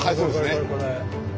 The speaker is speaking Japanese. これこれ。